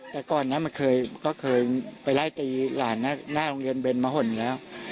แต่ก่อนนั้นมันเคยก็เคยไปไล่ตีหลานนะหน้าโรงเรียนเบนมะห่นแล้ว